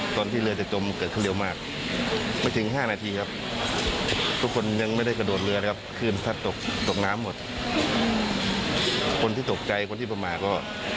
คนที่ตกใจคนที่ประมาณก็